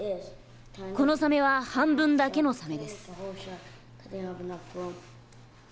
このサメは半分だけのサメです。